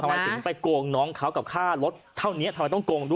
ทำไมถึงไปโกงน้องเขากับค่ารถเท่านี้ทำไมต้องโกงด้วย